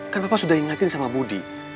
kan papa sudah ingatin sama budi